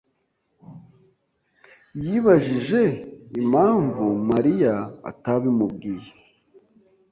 yibajije impamvu Mariya atabimubwiye.